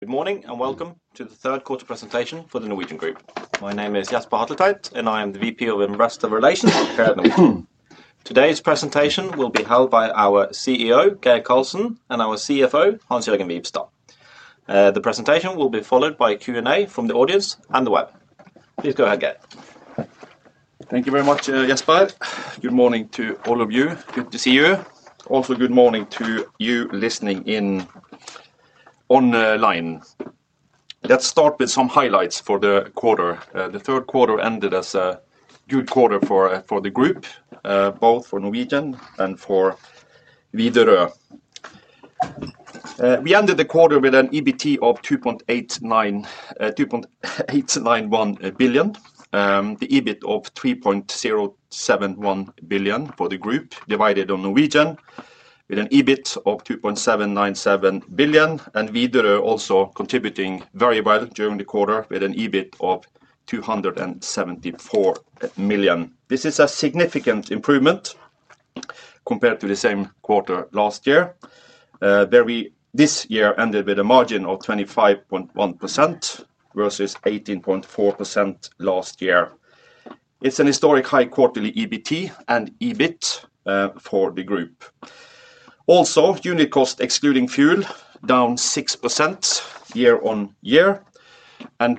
Good morning and welcome to the third quarter presentation for the Norwegian Group. My name is Jesper Hatletveit, and I am the VP of Investor Relations here at Norwegian. Today's presentation will be held by our CEO, Geir Karlsen, and our CFO, Hans-Jørgen Wibstad. The presentation will be followed by Q&A from the audience and the web. Please go ahead, Geir. Thank you very much, Jesper. Good morning to all of you. Good to see you. Also, good morning to you listening in online. Let's start with some highlights for the quarter. The third quarter ended as a good quarter for the group, both for Norwegian and for Norwegian. We ended the quarter with an EBITDA of 2.891 billion. The EBITDA of 3.071 billion for the group divided on Norwegian, with an EBITDA of 2.797 billion. Norwegian also contributing very well during the quarter with an EBITDA of 274 million. This is a significant improvement compared to the same quarter last year, where we this year ended with a margin of 25.1% versus 18.4% last year. It's a historic high quarterly EBITDA and EBITDA for the group. Also, unit cost excluding fuel down 6% year on year.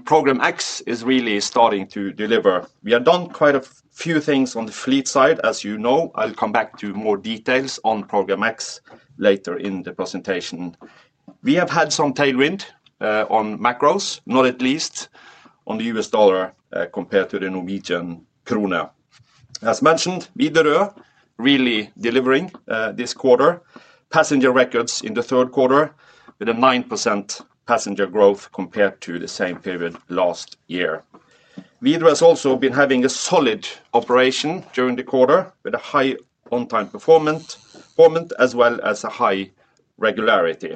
Program X is really starting to deliver. We have done quite a few things on the fleet side, as you know. I'll come back to more details on Program X later in the presentation. We have had some tailwind on macros, not at least on the U.S. dollar compared to the Norwegian krone. As mentioned, Norwegian really delivering this quarter. Passenger records in the third quarter with a 9% passenger growth compared to the same period last year. Norwegian has also been having a solid operation during the quarter with a high on-time performance as well as a high regularity.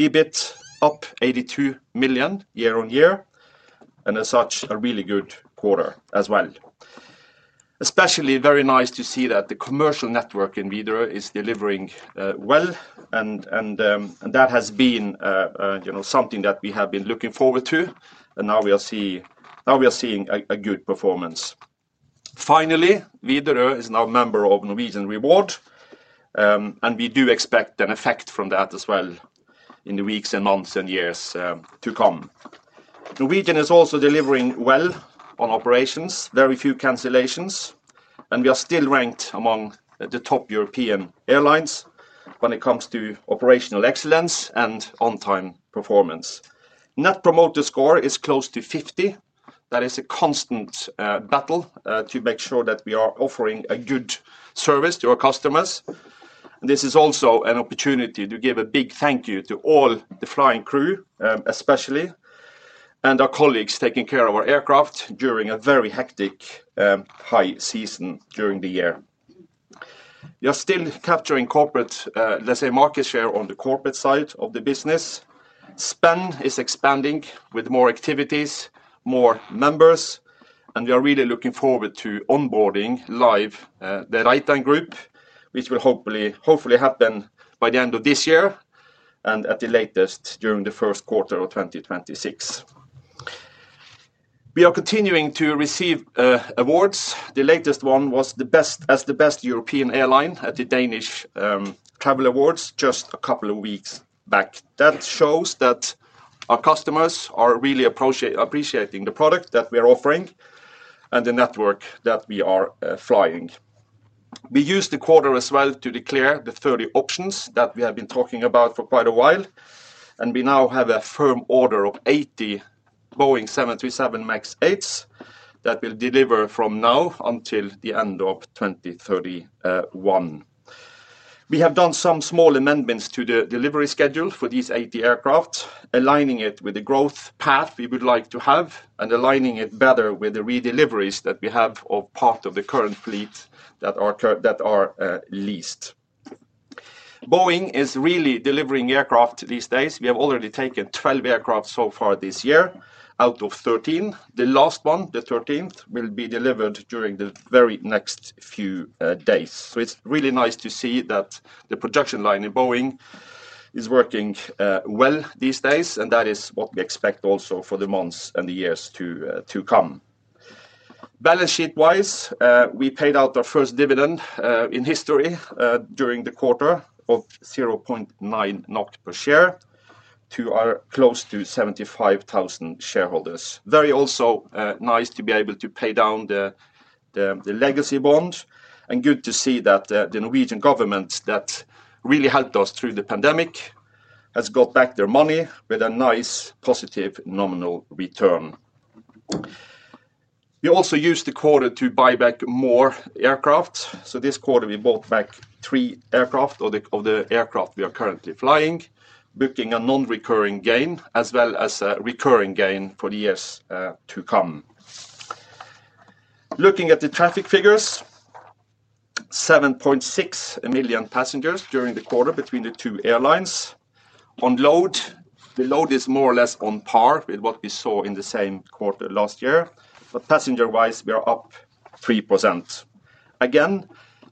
EBITDA up 82 million year on year. As such, a really good quarter as well. Especially very nice to see that the commercial network in Norwegian is delivering well. That has been, you know, something that we have been looking forward to. Now we are seeing a good performance. Finally, Norwegian is now a member of Norwegian Reward. We do expect an effect from that as well in the weeks and months and years to come. Norwegian is also delivering well on operations. Very few cancellations. We are still ranked among the top European airlines when it comes to operational excellence and on-time performance. Net Promoter Score is close to 50. That is a constant battle to make sure that we are offering a good service to our customers. This is also an opportunity to give a big thank you to all the flying crew especially, and our colleagues taking care of our aircraft during a very hectic high season during the year. We are still capturing, let's say, market share on the corporate side of the business. Spenn is expanding with more activities, more members. We are really looking forward to onboarding live the Ryte Line Group, which will hopefully happen by the end of this year and at the latest during the first quarter of 2026. We are continuing to receive awards. The latest one was the Best European Airline at the Danish Travel Awards just a couple of weeks back. That shows that our customers are really appreciating the product that we are offering and the network that we are flying. We used the quarter as well to declare the 30 options that we have been talking about for quite a while. We now have a firm order of 80 Boeing 737 MAX 8s that will deliver from now until the end of 2031. We have done some small amendments to the delivery schedule for these 80 aircraft, aligning it with the growth path we would like to have and aligning it better with the re-deliveries that we have of part of the current fleet that are leased. Boeing is really delivering aircraft these days. We have already taken 12 aircraft so far this year out of 13. The last one, the 13th, will be delivered during the very next few days. It is really nice to see that the production line in Boeing is working well these days. That is what we expect also for the months and the years to come. Balance sheet-wise, we paid out our first dividend in history during the quarter of 0.9 per share to our close to 75,000 shareholders. It is also nice to be able to pay down the legacy bond. It is good to see that the Norwegian government that really helped us through the pandemic has got back their money with a nice positive nominal return. We also used the quarter to buy back more aircraft. This quarter we bought back three aircraft of the aircraft we are currently flying, booking a non-recurring gain as well as a recurring gain for the years to come. Looking at the traffic figures, 7.6 million passengers during the quarter between the two airlines. The load is more or less on par with what we saw in the same quarter last year. Passenger-wise, we are up 3%. It is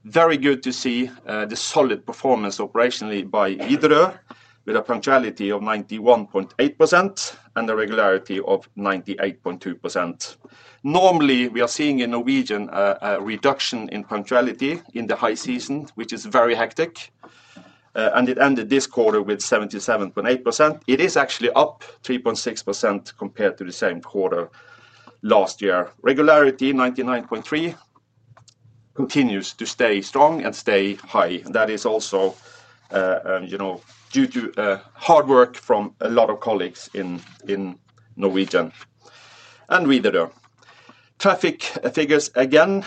very good to see the solid performance operationally by Norwegian with a punctuality of 91.8% and a regularity of 98.2%. Normally, we are seeing in Norwegian a reduction in punctuality in the high season, which is very hectic. It ended this quarter with 77.8%. It is actually up 3.6% compared to the same quarter last year. Regularity 99.3% continues to stay strong and stay high. That is also, you know, due to hard work from a lot of colleagues in Norwegian Air Shuttle ASA. Traffic figures again,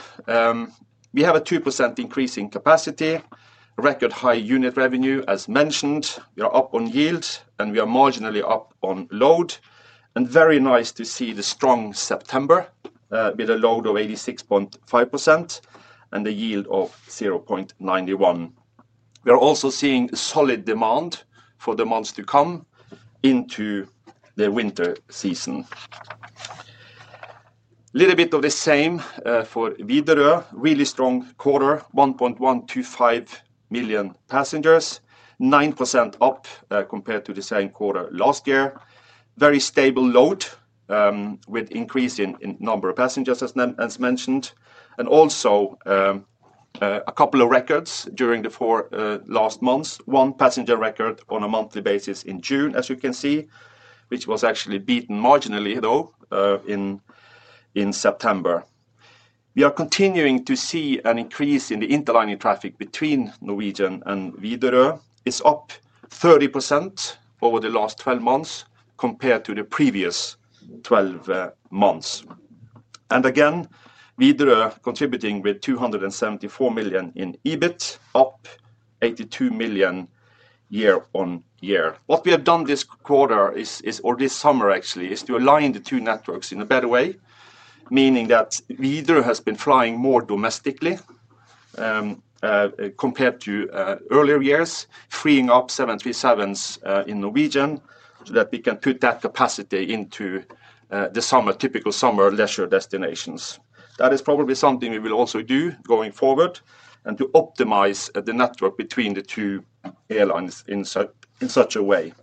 we have a 2% increase in capacity, record high unit revenue as mentioned. We are up on yield and we are marginally up on load. Very nice to see the strong September with a load of 86.5% and a yield of 0.91. We are also seeing solid demand for the months to come into the winter season. A little bit of the same for Widerøe. Really strong quarter, 1.125 million passengers, 9% up compared to the same quarter last year. Very stable load with increase in number of passengers as mentioned. Also a couple of records during the four last months. One passenger record on a monthly basis in June, as you can see, which was actually beaten marginally though in September. We are continuing to see an increase in the interlining traffic between Norwegian Air Shuttle ASA and Widerøe. It's up 30% over the last 12 months compared to the previous 12 months. Norwegian Air Shuttle ASA contributing with 274 million in EBITDA, up 82 million year on year. What we have done this quarter is, or this summer actually, is to align the two networks in a better way, meaning that Widerøe has been flying more domestically compared to earlier years, freeing up 737s in Norwegian Air Shuttle ASA so that we can put that capacity into the summer, typical summer leisure destinations. That is probably something we will also do going forward to optimize the network between the two airlines in such a way.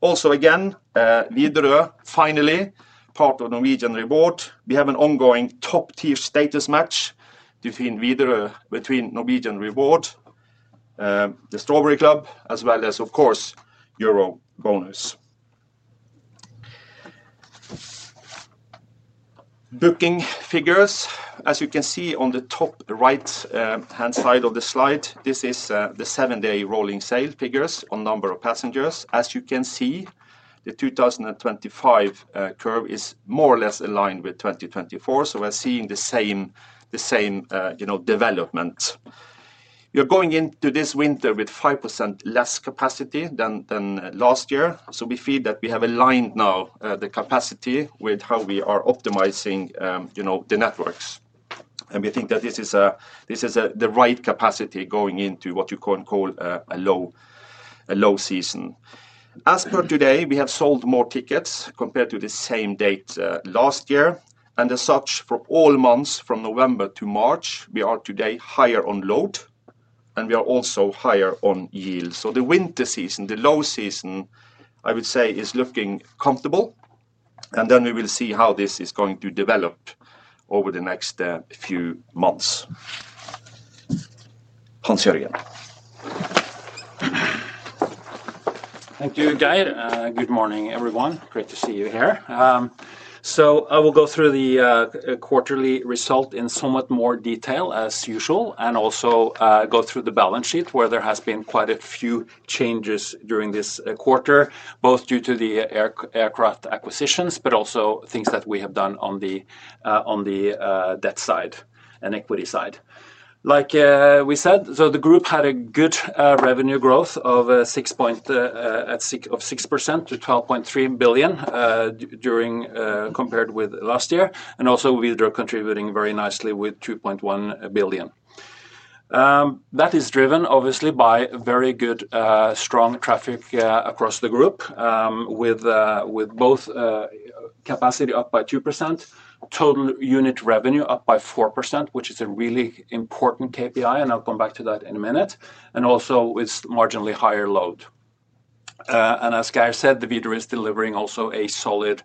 Also, again, Widerøe, finally, part of Norwegian Reward, we have an ongoing top-tier status match between Norwegian Reward, the Strawberry Club, as well as, of course, EuroBonus. Booking figures, as you can see on the top right-hand side of the slide, this is the seven-day rolling sale figures on number of passengers. As you can see, the 2025 curve is more or less aligned with 2024. We are seeing the same, you know, development. We are going into this winter with 5% less capacity than last year. We feel that we have aligned now the capacity with how we are optimizing, you know, the networks. We think that this is the right capacity going into what you can call a low season. As per today, we have sold more tickets compared to the same date last year. As such, for all months from November to March, we are today higher on load and we are also higher on yield. The winter season, the low season, I would say is looking comfortable. We will see how this is going to develop over the next few months. Hans-Jørgen. Thank you, Geir. Good morning, everyone. Great to see you here. I will go through the quarterly result in somewhat more detail as usual and also go through the balance sheet where there have been quite a few changes during this quarter, both due to the aircraft acquisitions, but also things that we have done on the debt side and equity side. Like we said, the group had a good revenue growth of 6% to 12.3 billion compared with last year, and also with Widerøe contributing very nicely with 2.1 billion. That is driven obviously by very good, strong traffic across the group with both capacity up by 2%, total unit revenue up by 4%, which is a really important KPI. I'll come back to that in a minute. Also with marginally higher load. As Geir said, Norwegian is delivering also a solid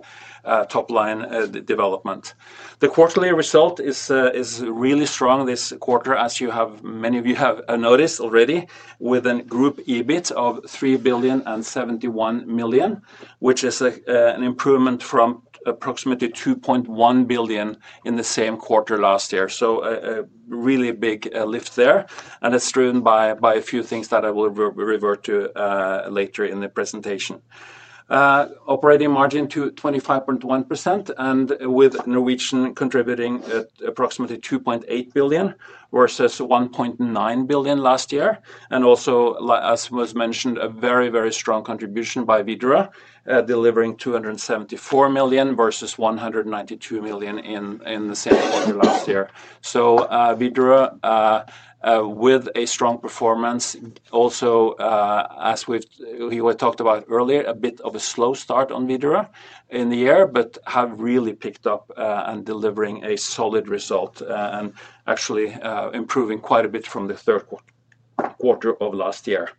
top line development. The quarterly result is really strong this quarter, as many of you have noticed already, with a group EBITDA of 3.071 billion, which is an improvement from approximately 2.1 billion in the same quarter last year. A really big lift there. It's driven by a few things that I will revert to later in the presentation. Operating margin to 25.1% and with Norwegian contributing approximately 2.8 billion versus 1.9 billion last year. Also, as was mentioned, a very, very strong contribution by Norwegian delivering 274 million versus 192 million in the same quarter last year. Norwegian with a strong performance, also, as we talked about earlier, a bit of a slow start on Norwegian in the year, but have really picked up and delivering a solid result and actually improving quite a bit from the third quarter of last year.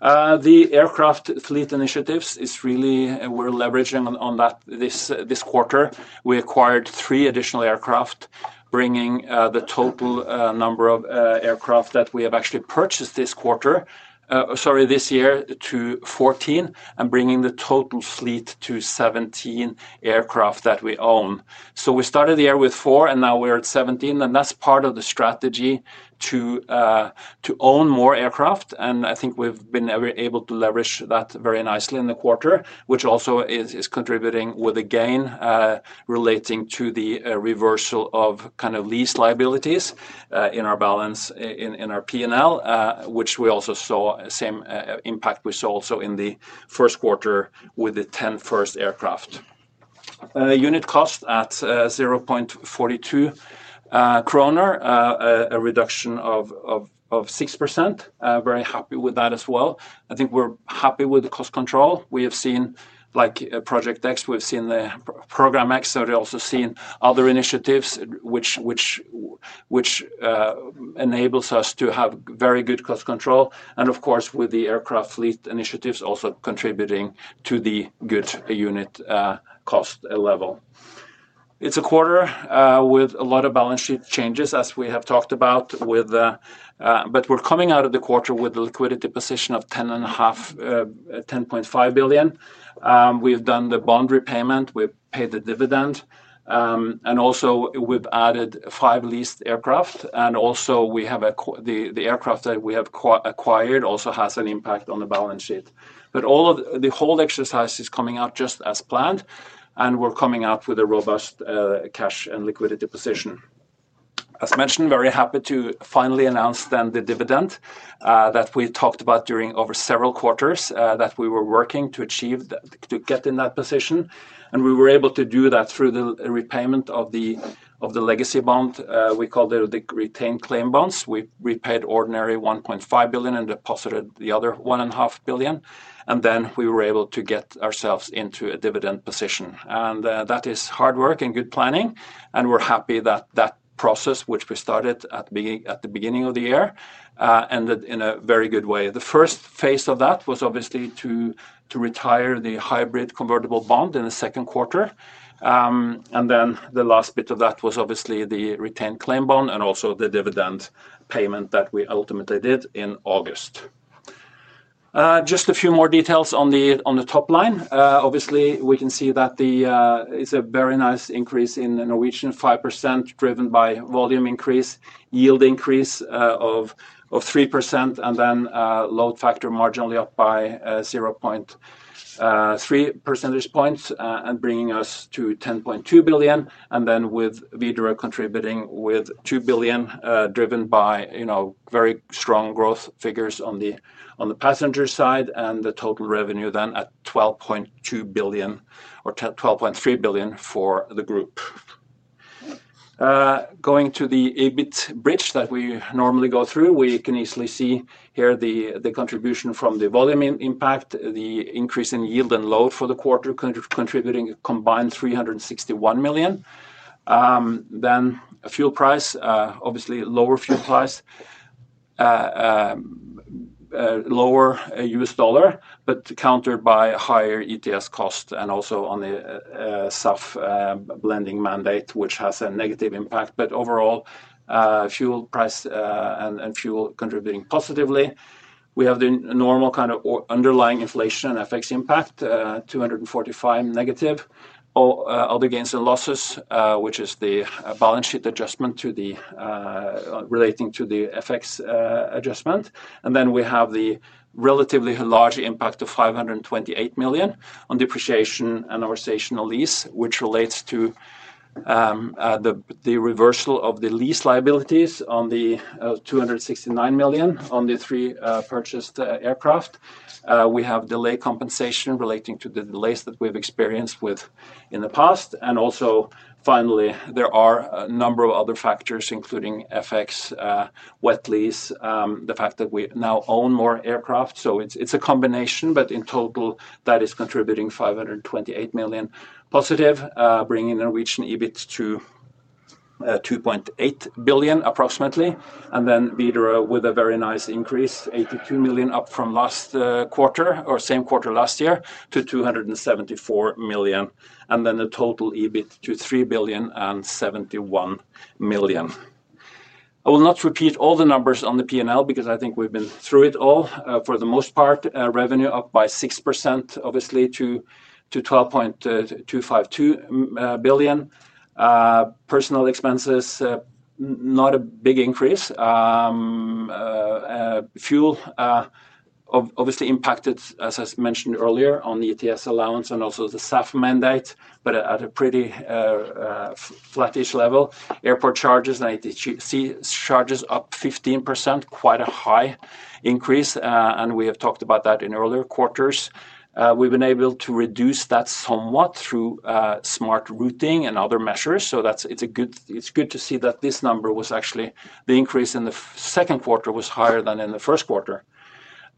The aircraft fleet initiatives is really, we're leveraging on that this quarter. We acquired three additional aircraft, bringing the total number of aircraft that we have actually purchased this year to 14 and bringing the total fleet to 17 aircraft that we own. We started the year with four and now we're at 17. That's part of the strategy to own more aircraft. I think we've been able to leverage that very nicely in the quarter, which also is contributing with a gain relating to the reversal of kind of lease liabilities in our balance in our P&L, which we also saw the same impact we saw also in the first quarter with the 10 first aircraft. Unit cost at 0.42 kroner, a reduction of 6%. Very happy with that as well. I think we're happy with the cost control. We have seen like Program X, we've seen the Program X, so we've also seen other initiatives which enable us to have very good cost control. Of course, with the aircraft fleet initiatives also contributing to the good unit cost level. It's a quarter with a lot of balance sheet changes, as we have talked about. We're coming out of the quarter with the liquidity position of 10.5 billion. We've done the bond repayment, we've paid the dividend, and also we've added five leased aircraft. We have the aircraft that we have acquired also has an impact on the balance sheet. All of the whole exercise is coming out just as planned. We're coming out with a robust cash and liquidity position. As mentioned, very happy to finally announce then the dividend that we talked about during over several quarters that we were working to achieve to get in that position. We were able to do that through the repayment of the legacy bond. We called it the retained claim bonds. We repaid ordinary 1.5 billion and deposited the other 1.5 billion. We were able to get ourselves into a dividend position. That is hard work and good planning. We're happy that that process, which we started at the beginning of the year, ended in a very good way. The first phase of that was obviously to retire the hybrid convertible bond in the second quarter. The last bit of that was obviously the retained claim bond and also the dividend payment that we ultimately did in August. Just a few more details on the top line. Obviously, we can see that it's a very nice increase in Norwegian, 5% driven by volume increase, yield increase of 3%, and then load factor marginally up by 0.3 percentage points and bringing us to 10.2 billion. With Norwegian contributing with 2 billion driven by, you know, very strong growth figures on the passenger side and the total revenue then at 12.2 billion or 12.3 billion for the group. Going to the EBITDA bridge that we normally go through, we can easily see here the contribution from the volume impact, the increase in yield and load for the quarter contributing a combined 361 million. Then fuel price, obviously lower fuel price, lower US dollar, but countered by higher ETS cost and also on the SAF blending mandate, which has a negative impact. Overall, fuel price and fuel contributing positively. We have the normal kind of underlying inflation and FX impact, 245 million negative. All the gains and losses, which is the balance sheet adjustment relating to the FX adjustment. Then we have the relatively large impact of 528 million on depreciation and overseas lease, which relates to the reversal of the lease liabilities on the 269 million on the three purchased aircraft. We have delay compensation relating to the delays that we've experienced in the past. Also, finally, there are a number of other factors, including FX, wet lease, the fact that we now own more aircraft. It's a combination, but in total, that is contributing 528 million positive, bringing Norwegian EBITDA to approximately 2.8 billion. Norwegian with a very nice increase, 82 million up from last quarter or same quarter last year to 274 million. The total EBITDA to 3 billion and 71 million. I will not repeat all the numbers on the P&L because I think we've been through it all for the most part. Revenue up by 6% to 12.252 billion. Personnel expenses, not a big increase. Fuel obviously impacted, as I mentioned earlier, on the ETS allowance and also the SAF mandate, but at a pretty flattish level. Airport charges and ATC charges up 15%, quite a high increase. We have talked about that in earlier quarters. We've been able to reduce that somewhat through smart routing and other measures. It's good to see that this number was actually, the increase in the second quarter was higher than in the first quarter.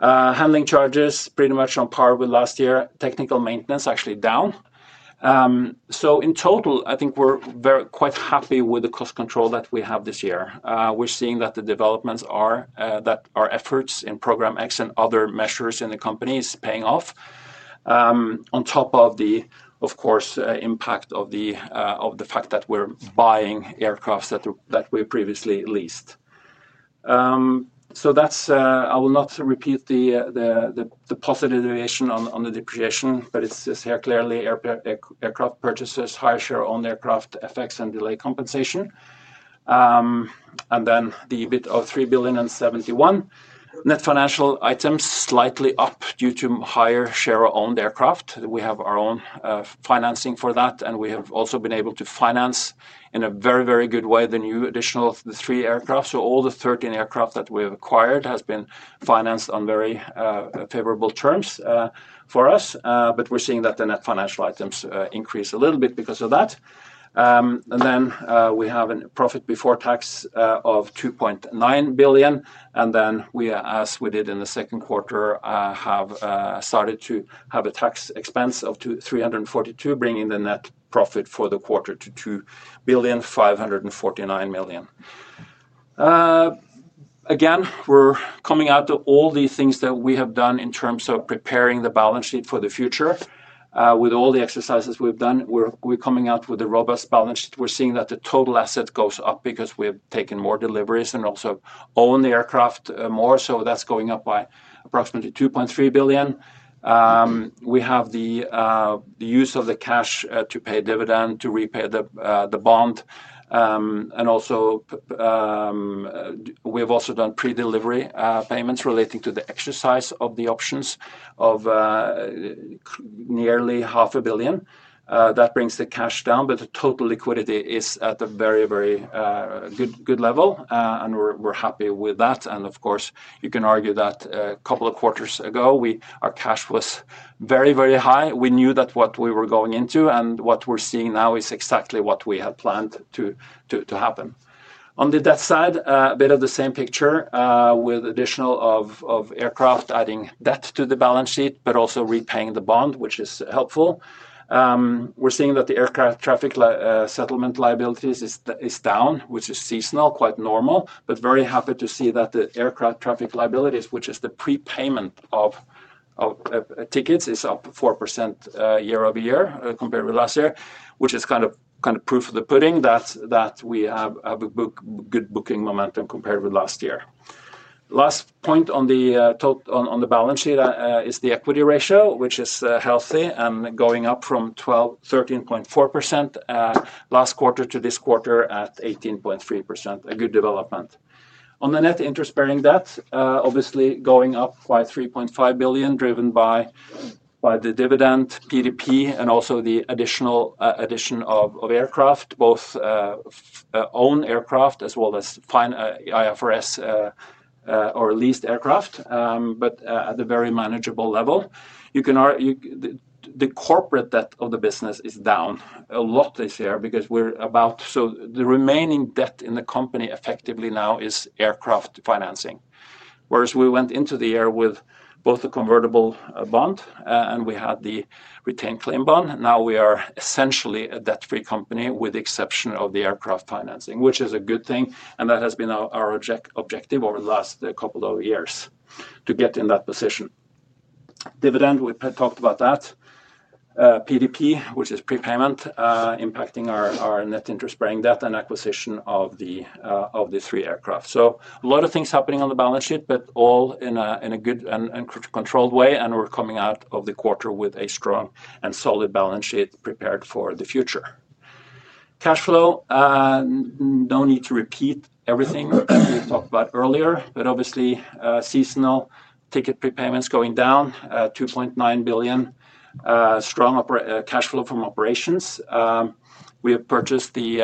Handling charges pretty much on par with last year. Technical maintenance actually down. In total, I think we're quite happy with the cost control that we have this year. We're seeing that the developments are that our efforts in Program X and other measures in the company is paying off. On top of the impact of the fact that we're buying aircraft that we previously leased. I will not repeat the positive variation on the depreciation, but it's here clearly aircraft purchases, high share owned aircraft, FX and delay compensation. Then the EBITDA of 3 billion and 71 million. Net financial items slightly up due to higher share owned aircraft. We have our own financing for that. We have also been able to finance in a very, very good way the new additional three aircraft. All the 13 aircraft that we have acquired have been financed on very favorable terms for us. We're seeing that the net financial items increase a little bit because of that. We have a profit before tax of 2.9 billion. As we did in the second quarter, we have started to have a tax expense of 342 million, bringing the net profit for the quarter to 2.549 billion. Again, we're coming out of all the things that we have done in terms of preparing the balance sheet for the future. With all the exercises we've done, we're coming out with a robust balance sheet. We're seeing that the total asset goes up because we have taken more deliveries and also own the aircraft more. That's going up by approximately 2.3 billion. We have the use of the cash to pay dividend, to repay the bond. We've also done pre-delivery payments relating to the exercise of the options of nearly 0.5 billion. That brings the cash down, but the total liquidity is at a very, very good level. We're happy with that. Of course, you can argue that a couple of quarters ago, our cash was very, very high. We knew what we were going into and what we're seeing now is exactly what we had planned to happen. On the debt side, a bit of the same picture with additional aircraft adding debt to the balance sheet, but also repaying the bond, which is helpful. We're seeing that the aircraft traffic settlement liabilities are down, which is seasonal, quite normal. Very happy to see that the aircraft traffic liabilities, which is the prepayment of tickets, is up 4% year over year compared with last year, which is kind of proof of the pudding that we have a good booking momentum compared with last year. Last point on the balance sheet is the equity ratio, which is healthy and going up from 13.4% last quarter to this quarter at 18.3%. A good development. On the net interest bearing debt, obviously going up by 3.5 billion driven by the dividend, PDP, and also the additional addition of aircraft, both owned aircraft as well as IFRS or leased aircraft, but at a very manageable level. The corporate debt of the business is down a lot this year because the remaining debt in the company effectively now is aircraft financing. Whereas we went into the year with both the convertible bond and we had the retained claim bond, now we are essentially a debt-free company with the exception of the aircraft financing, which is a good thing. That has been our objective over the last couple of years to get in that position. Dividend, we talked about that. PDP, which is prepayment, impacting our net interest bearing debt and acquisition of the three aircraft. A lot of things happening on the balance sheet, but all in a good and controlled way. We're coming out of the quarter with a strong and solid balance sheet prepared for the future. Cash flow, no need to repeat everything that we talked about earlier, but obviously seasonal ticket prepayments going down, 2.9 billion. Strong cash flow from operations. We have purchased the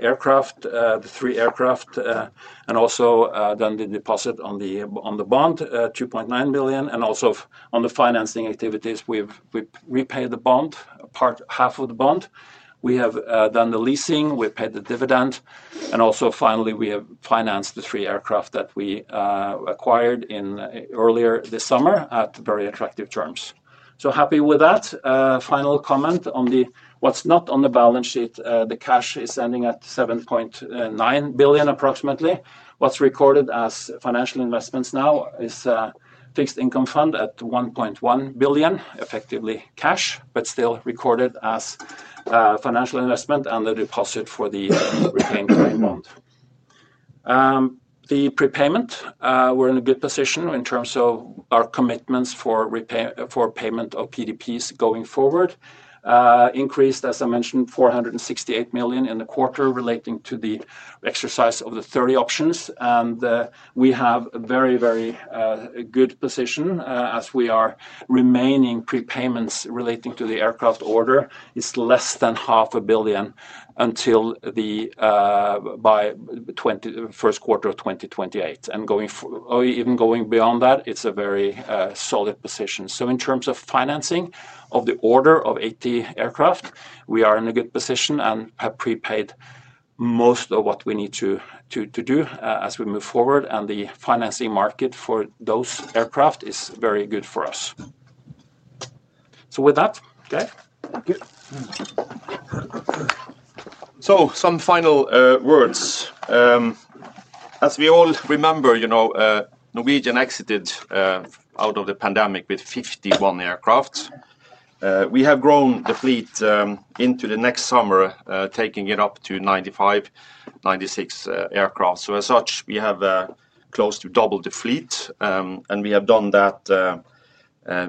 aircraft, the three aircraft, and also done the deposit on the bond, 2.9 billion. Also on the financing activities, we've repaid the bond, half of the bond. We have done the leasing, we've paid the dividend, and finally we have financed the three aircraft that we acquired earlier this summer at very attractive terms. Happy with that. Final comment on what's not on the balance sheet. The cash is ending at approximately 7.9 billion. What's recorded as financial investments now is a fixed income fund at 1.1 billion, effectively cash, but still recorded as a financial investment and the deposit for the retained claim bond. The prepayment, we're in a good position in terms of our commitments for payment of PDPs going forward. Increased, as I mentioned, 468 million in the quarter relating to the exercise of the 30 options. We have a very, very good position as we are remaining prepayments relating to the aircraft order. It's less than 0.5 billion until the first quarter of 2028. Even going beyond that, it's a very solid position. In terms of financing of the order of 80 aircraft, we are in a good position and have prepaid most of what we need to do as we move forward. The financing market for those aircraft is very good for us. With that, Geir? Some final words. As we all remember, Norwegian exited out of the pandemic with 51 aircraft. We have grown the fleet into the next summer, taking it up to 95-96 aircraft. As such, we have close to double the fleet, and we have done that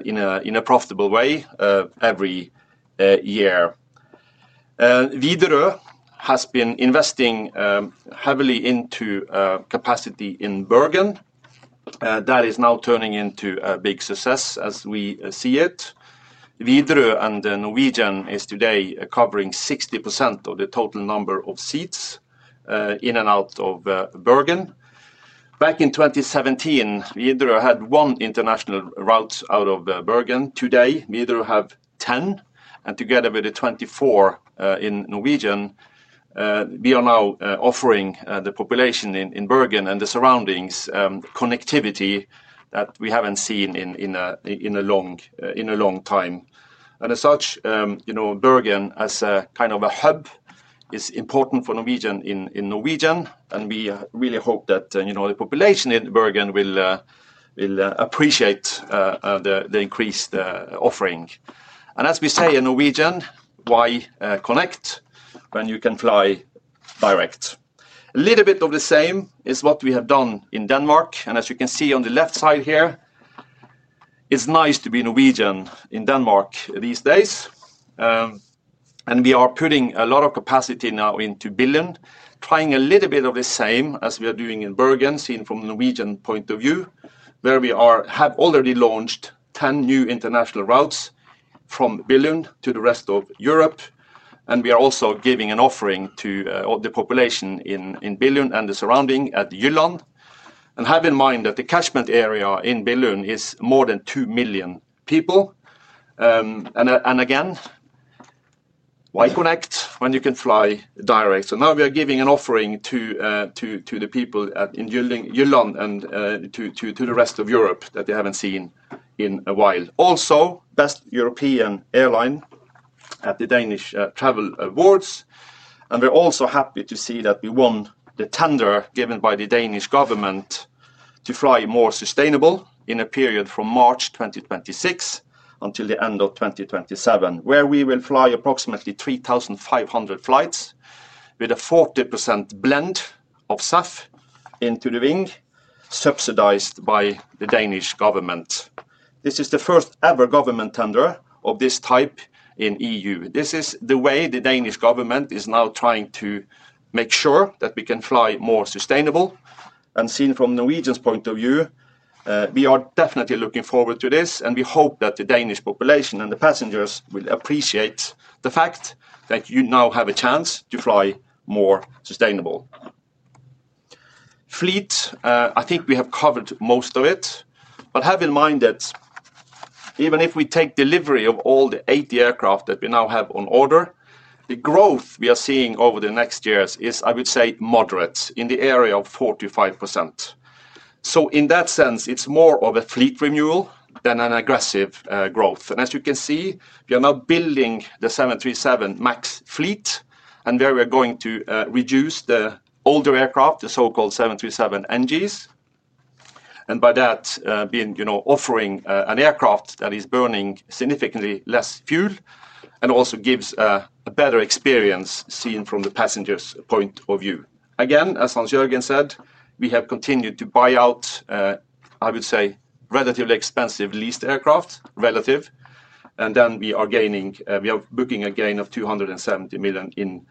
in a profitable way every year. Norwegian has been investing heavily into capacity in Bergen. That is now turning into a big success as we see it. Norwegian is today covering 60% of the total number of seats in and out of Bergen. Back in 2017, Norwegian had one international route out of Bergen. Today, Norwegian has 10. Together with the 24 in Norwegian, we are now offering the population in Bergen and the surroundings connectivity that we haven't seen in a long time. As such, Bergen as a kind of a hub is important for Norwegian. We really hope that the population in Bergen will appreciate the increased offering. As we say in Norwegian, why connect when you can fly direct? A little bit of the same is what we have done in Denmark. As you can see on the left side here, it's nice to be Norwegian in Denmark these days. We are putting a lot of capacity now into Billund, trying a little bit of the same as we are doing in Bergen, seen from Norwegian point of view, where we have already launched 10 new international routes from Billund to the rest of Europe. We are also giving an offering to the population in Billund and the surrounding at Jylland. Have in mind that the catchment area in Billund is more than 2 million people. Again, why connect when you can fly direct? Now we are giving an offering to the people in Jylland and to the rest of Europe that they haven't seen in a while. Also, Best European Airline at the Danish Travel Awards. We're also happy to see that we won the tender given by the Danish government to fly more sustainable in a period from March 2026 until the end of 2027, where we will fly approximately 3,500 flights with a 40% blend of SAF into the wing, subsidized by the Danish government. This is the first ever government tender of this type in the EU. This is the way the Danish government is now trying to make sure that we can fly more sustainable. Seen from Norwegian's point of view, we are definitely looking forward to this. We hope that the Danish population and the passengers will appreciate the fact that you now have a chance to fly more sustainable. Fleet, I think we have covered most of it. Have in mind that even if we take delivery of all the 80 aircraft that we now have on order, the growth we are seeing over the next years is, I would say, moderate in the area of 4%-5%. In that sense, it's more of a fleet renewal than an aggressive growth. As you can see, we are now building the 737 MAX fleet. We are going to reduce the older aircraft, the so-called 737 NGs, and by that, offering an aircraft that is burning significantly less fuel and also gives a better experience seen from the passenger's point of view. Again, as Hans-Jørgen said, we have continued to buy out, I would say, relatively expensive leased aircraft, relative. We are booking a gain of 270 million in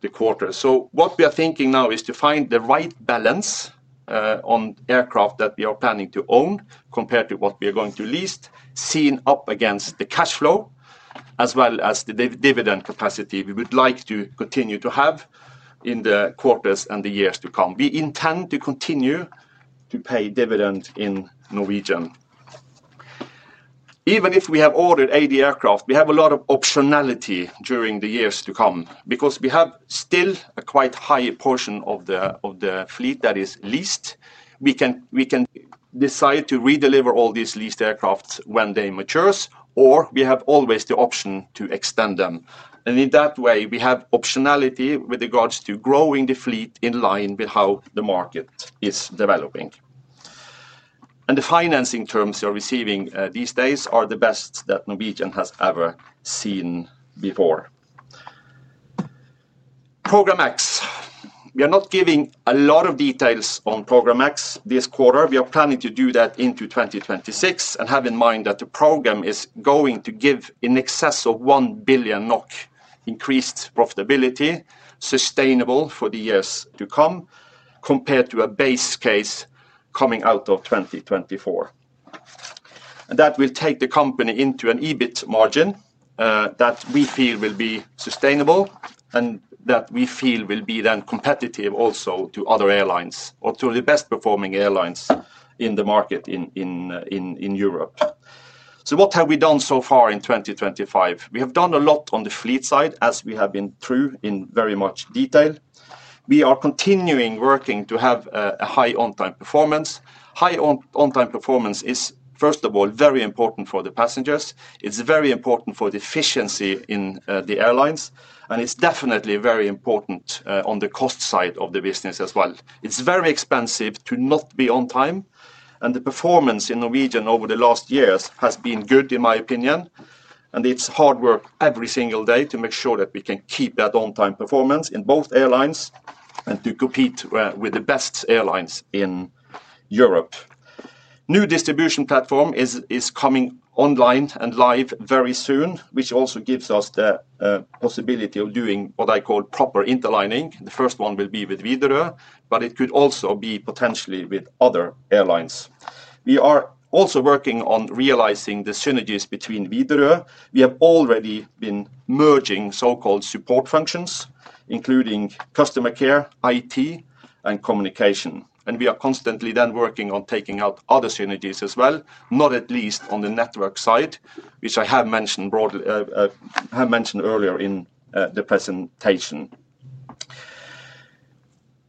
the quarter. What we are thinking now is to find the right balance on aircraft that we are planning to own compared to what we are going to lease, seen up against the cash flow as well as the dividend capacity we would like to continue to have in the quarters and the years to come. We intend to continue to pay dividends in Norwegian. Even if we have ordered 80 aircraft, we have a lot of optionality during the years to come because we have still a quite high portion of the fleet that is leased. We can decide to redeliver all these leased aircraft when they mature, or we have always the option to extend them. In that way, we have optionality with regards to growing the fleet in line with how the market is developing. The financing terms you're receiving these days are the best that Norwegian has ever seen before. Program X. We are not giving a lot of details on Program X this quarter. We are planning to do that into 2026. Have in mind that the program is going to give in excess of 1 billion NOK increased profitability, sustainable for the years to come compared to a base case coming out of 2024. That will take the company into an EBITDA margin that we feel will be sustainable and that we feel will be then competitive also to other airlines or to the best performing airlines in the market in Europe. What have we done so far in 2025? We have done a lot on the fleet side, as we have been through in very much detail. We are continuing working to have a high on-time performance. High on-time performance is, first of all, very important for the passengers. It's very important for the efficiency in the airlines. It's definitely very important on the cost side of the business as well. It's very expensive to not be on time. The performance in Norwegian over the last years has been good, in my opinion. It is hard work every single day to make sure that we can keep that on-time performance in both airlines and to compete with the best airlines in Europe. A new distribution platform is coming online and live very soon, which also gives us the possibility of doing what I call proper interlining. The first one will be with Norwegian, but it could also be potentially with other airlines. We are also working on realizing the synergies between Norwegian. We have already been merging so-called support functions, including customer care, IT, and communication. We are constantly then working on taking out other synergies as well, not at least on the network side, which I have mentioned earlier in the presentation.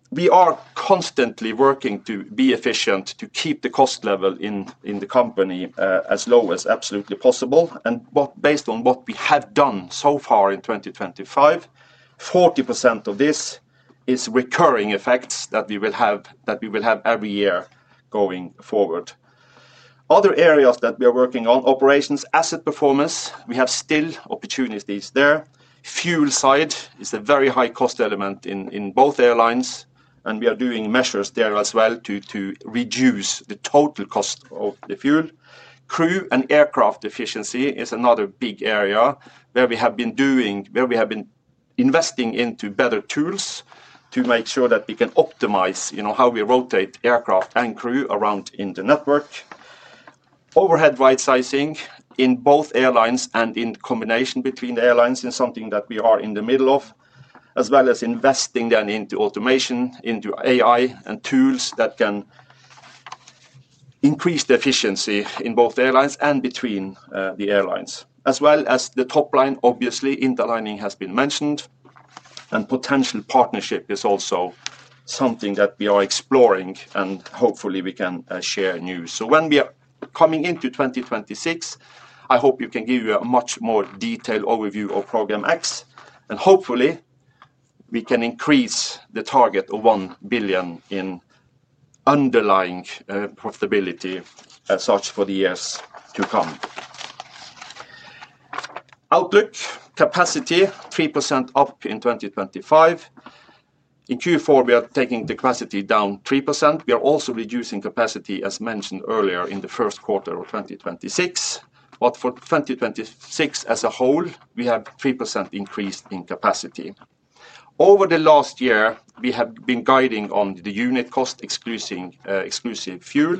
We are constantly working to be efficient, to keep the cost level in the company as low as absolutely possible. Based on what we have done so far in 2025, 40% of this is recurring effects that we will have every year going forward. Other areas that we are working on are operations and asset performance. We have still opportunities there. The fuel side is a very high cost element in both airlines, and we are doing measures there as well to reduce the total cost of the fuel. Crew and aircraft efficiency is another big area where we have been doing, where we have been investing into better tools to make sure that we can optimize how we rotate aircraft and crew around in the network. Overhead rightsizing in both airlines and in combination between the airlines is something that we are in the middle of, as well as investing into automation, into AI and tools that can increase the efficiency in both airlines and between the airlines. As well as the top line, obviously, interlining has been mentioned. Potential partnership is also something that we are exploring and hopefully we can share news. When we are coming into 2026, I hope you can give you a much more detailed overview of Program X. Hopefully, we can increase the target of 1 billion in underlying profitability as such for the years to come. Outlook, capacity 3% up in 2025. In Q4, we are taking the capacity down 3%. We are also reducing capacity, as mentioned earlier, in the first quarter of 2026. For 2026 as a whole, we have 3% increase in capacity. Over the last year, we have been guiding on the unit cost excluding fuel.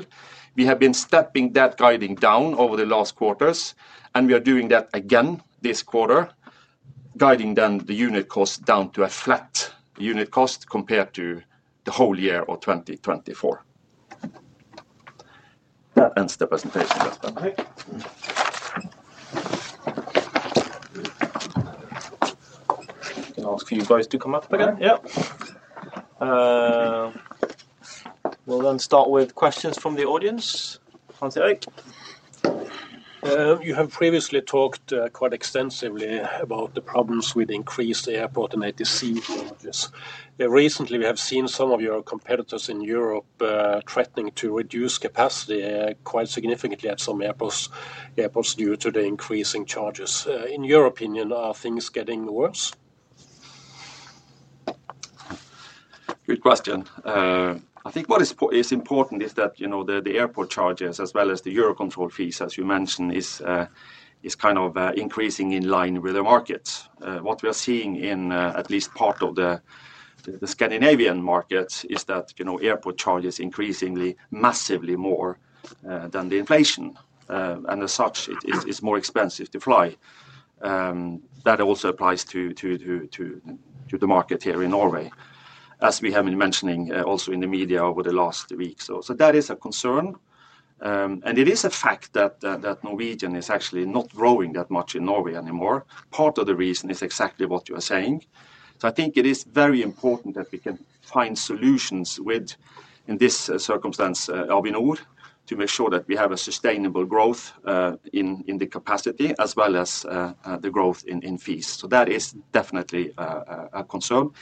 We have been stepping that guiding down over the last quarters. We are doing that again this quarter, guiding the unit cost down to a flat unit cost compared to the whole year of 2024. That ends the presentation. Can I ask for you guys to come up again? Yeah. We'll start with questions from the audience. You have previously talked quite extensively about the problems with increased airport and ATC charges. Recently, we have seen some of your competitors in Europe threatening to reduce capacity quite significantly at some airports due to the increasing charges. In your opinion, are things getting worse? Good question. I think what is important is that the airport charges, as well as the EUROCONTROL fees, as you mentioned, are kind of increasing in line with the markets. What we are seeing in at least part of the Scandinavian markets is that airport charges are increasing massively more than the inflation, and as such, it is more expensive to fly. That also applies to the market here in Norway, as we have been mentioning also in the media over the last week. That is a concern, and it is a fact that Norwegian is actually not growing that much in Norway anymore. Part of the reason is exactly what you are saying. I think it is very important that we can find solutions with, in this circumstance, Avinor, to make sure that we have a sustainable growth in the capacity, as well as the growth in fees. That is definitely a concern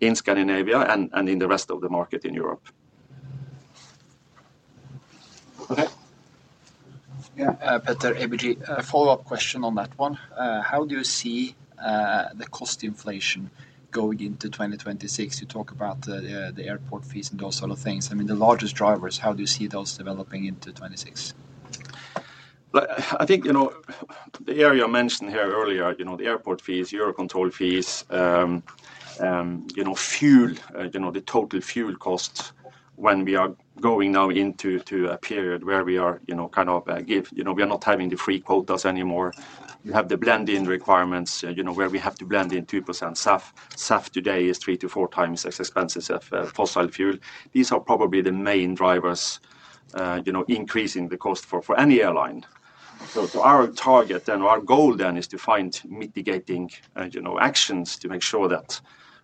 in Scandinavia and in the rest of the market in Europe. Petter Ebig, a follow-up question on that one. How do you see the cost inflation going into 2026? You talk about the airport fees and those sort of things. I mean, the largest drivers, how do you see those developing into 2026? I think the area mentioned here earlier, the airport fees, EUROCONTROL fees, fuel, the total fuel costs when we are going now into a period where we are kind of giving, we are not having the free quotas anymore. You have the blending requirements where we have to blend in 2% SAF. SAF today is three to four times as expensive as fossil fuel. These are probably the main drivers increasing the cost for any airline. Our target then, our goal then is to find mitigating actions to make sure that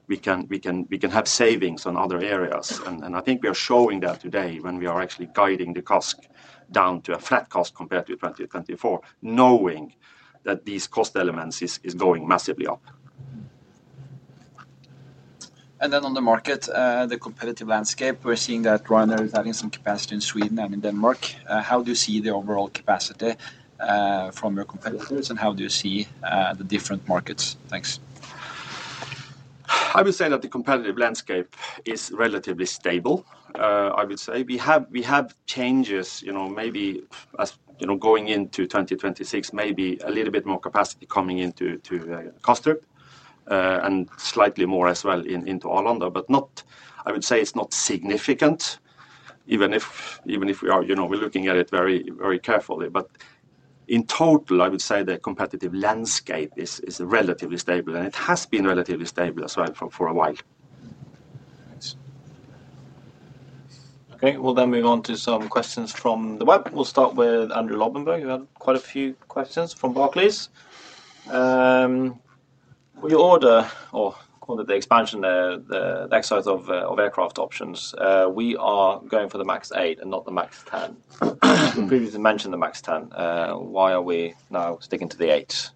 we can have savings on other areas. I think we are showing that today when we are actually guiding the cost down to a flat cost compared to 2024, knowing that these cost elements are going massively up. On the market, the competitive landscape, we're seeing that Ryanair is having some capacity in Sweden and in Denmark. How do you see the overall capacity from your competitors, and how do you see the different markets? Thanks. I would say that the competitive landscape is relatively stable. We have changes, maybe as going into 2026, maybe a little bit more capacity coming into Kastrup and slightly more as well into Arlanda. I would say it's not significant, even if we are looking at it very carefully. In total, I would say the competitive landscape is relatively stable, and it has been relatively stable as well for a while. OK, we'll move on to some questions from the web. We'll start with Andrew Lobbenberg. We've had quite a few questions from Barclays. For your order or the expansion, the exercise of aircraft options, we are going for the MAX 8 and not the MAX 10. Previously mentioned the MAX 10. Why are we now sticking to the 8?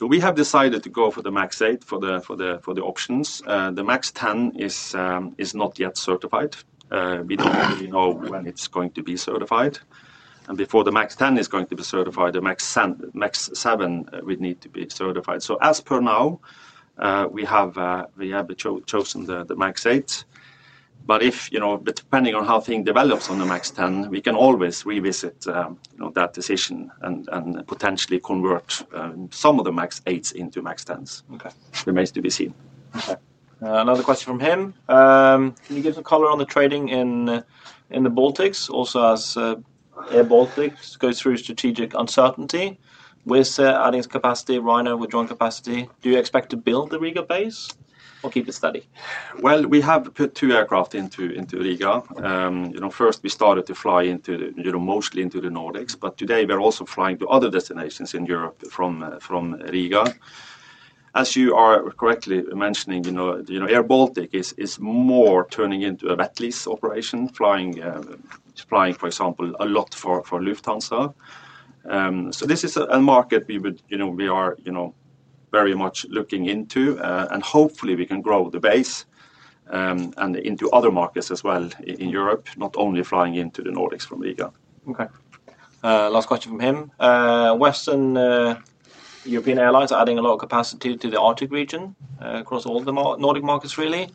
We have decided to go for the MAX 8 for the options. The MAX 10 is not yet certified. We don't really know when it's going to be certified. Before the MAX 10 is going to be certified, the MAX 7 would need to be certified. As per now, we have chosen the MAX 8. Depending on how things develop on the MAX 10, we can always revisit that decision and potentially convert some of the MAX 8s into MAX 10s. Remains to be seen. Another question from him. Can you give some color on the trading in the Baltics? Also, as airBaltic goes through strategic uncertainty with adding capacity, Ryanair with joint capacity, do you expect to build the Riga base or keep it steady? We have put two aircraft into Riga. First, we started to fly mostly into the Nordics, but today we're also flying to other destinations in Europe from Riga. As you are correctly mentioning, airBaltic is more turning into a wet lease operation, flying, for example, a lot for Lufthansa. This is a market we are very much looking into, and hopefully, we can grow the base and into other markets as well in Europe, not only flying into the Nordics from Riga. Last question from him. Western European airlines are adding a lot of capacity to the Arctic region across all the Nordic markets, really.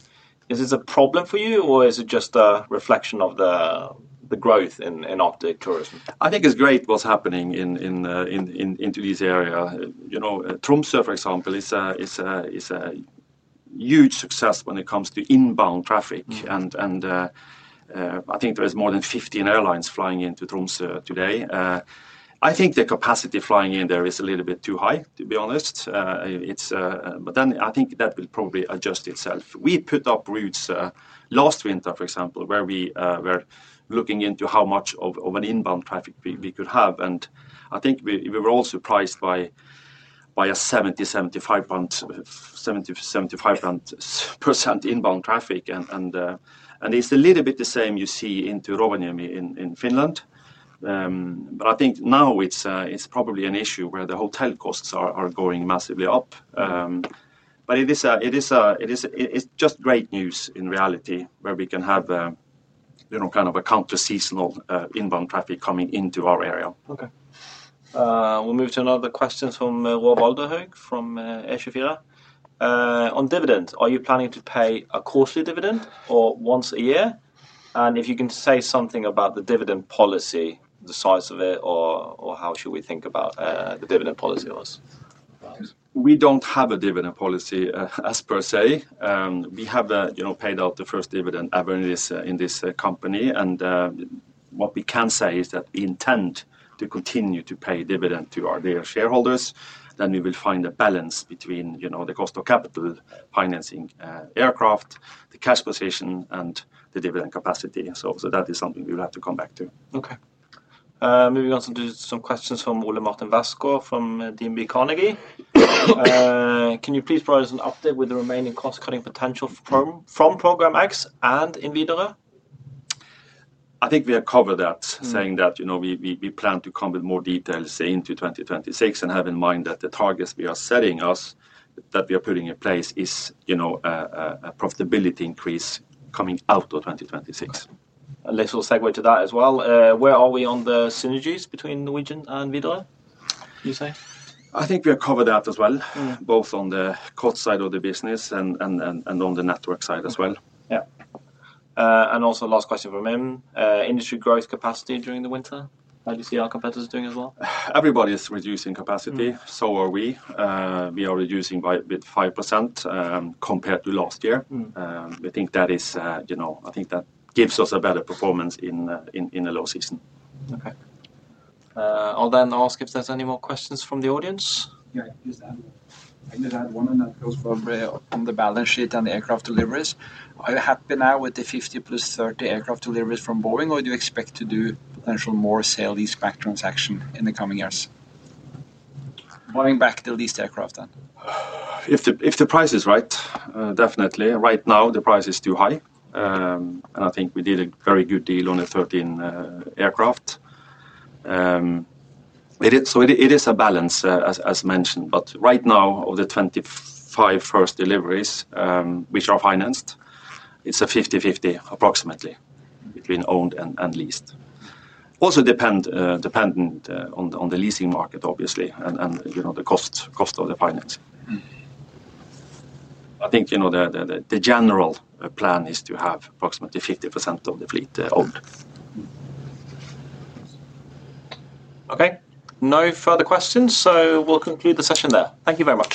Is this a problem for you or is it just a reflection of the growth in Arctic tourism? I think it's great what's happening in this area. Tromsø, for example, is a huge success when it comes to inbound traffic. I think there are more than 15 airlines flying into Tromsø today. I think the capacity flying in there is a little bit too high, to be honest. That will probably adjust itself. We put up routes last winter, for example, where we were looking into how much of an inbound traffic we could have. I think we were also surprised by a 70%-75% inbound traffic. It's a little bit the same you see in Rovaniemi in Finland. I think now it's probably an issue where the hotel costs are going massively up. It's just great news in reality where we can have kind of a counter-seasonal inbound traffic coming into our area. We'll move to another question from Roald Alderhøi from ABN AMRO. On dividends, are you planning to pay a quarterly dividend or once a year? If you can say something about the dividend policy, the size of it, or how should we think about the dividend policy? We don't have a dividend policy per se. We have paid out the first dividend ever in this company, and what we can say is that we intend to continue to pay dividends to our daily shareholders. We will find a balance between the cost of capital financing aircraft, the cash position, and the dividend capacity. That is something we will have to come back to. Moving on to some questions from Ole Martin Våse from DNB Carnegie. Can you please provide us an update with the remaining cost cutting potential from Program X and in Widerøe? I think we have covered that, saying that we plan to come with more details into 2026. Have in mind that the targets we are setting us, that we are putting in place, is a profitability increase coming out of 2026. A little segue to that as well. Where are we on the synergies between Norwegian and Widerøe, you say? I think we have covered that as well, both on the cost side of the business and on the network side as well. And also last question from him is about industry growth capacity during the winter. How do you see our competitors doing as well? Everybody is reducing capacity. We are reducing by a bit, 5% compared to last year. I think that gives us a better performance in a low season. I'll then ask if there's any more questions from the audience. I just add one on that goes from the balance sheet and the aircraft deliveries. Are you happy now with the 50 plus 30 aircraft deliveries from Boeing, or do you expect to do potential more sale lease back transaction in the coming years? Going back to leased aircraft then. If the price is right, definitely. Right now, the price is too high. I think we did a very good deal on the 13 aircraft. It is a balance, as mentioned. Right now, of the 25 first deliveries which are financed, it's a 50%–50% approximately between owned and leased. Also dependent on the leasing market, obviously, and the cost of the financing. I think the general plan is to have approximately 50% of the fleet owned. OK, no further questions. We'll conclude the session there. Thank you very much.